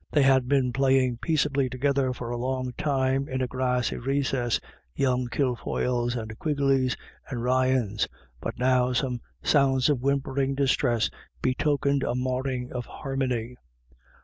They had been playing peaceably together for a long time in a grassy recess, young Kilfoyles and Quigleys and Ryans, but now some sounds of whimpering distress betokened a marring of harmony.